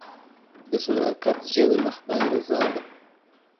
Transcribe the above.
د صداقت ژبه د خدای رضا ده.